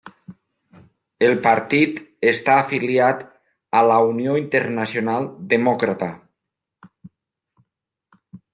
El partit està afiliat a la Unió Internacional Demòcrata.